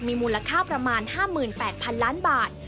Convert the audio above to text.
มีมูลค่าประมาณ๕๘๐๐๐ล้านบาท